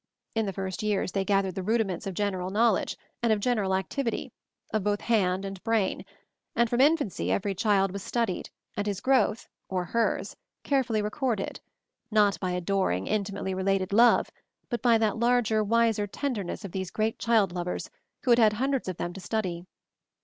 In the first years they gathered the rudiments of general knowl edge, and of general activity, of both hand and brain, and from infancy each child was studied, and his growth — or hers — carefully recorded ; not by adoring, intimately related love, but by that larger, wiser tenderness of these great child lovers who had had hun dreds of them to study.